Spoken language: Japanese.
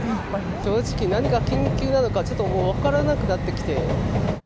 正直、何が緊急なのか、ちょっともう分からなくなってきて。